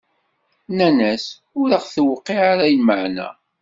Nnan-as: Ur aɣ-d-tewqiɛ ara lmeɛna!